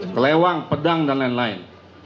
kelewang pedang dan lain lain